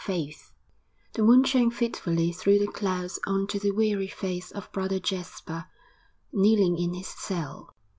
FAITH I The moon shone fitfully through the clouds on to the weary face of Brother Jasper kneeling in his cell.